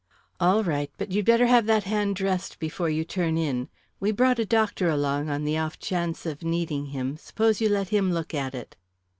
"All right. But you'd better have that hand dressed before you turn in. We brought a doctor along on the off chance of needing him. Suppose you let him look at it."